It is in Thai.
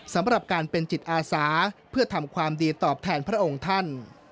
สำหรับการเป็นจิตอาสาเพื่อทำความดีตอบแทนพระองค์ท่าน